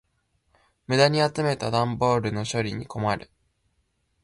無駄に集めた段ボールの処理に困る。